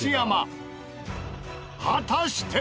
果たして！？